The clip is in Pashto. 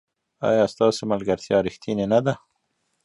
ایا ستاسو ملګرتیا ریښتینې نه ده؟